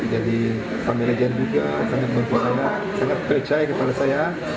jadi pemerintah juga sangat bantu saya sangat percaya kepada saya